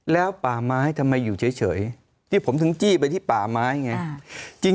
แล้วป่าไม้ทำไมอยู่เฉยที่ผมถึงจี้ไปที่ป่าไม้ไง